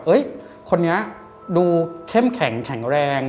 คนนี้ดูเข้มแข็งแข็งแรง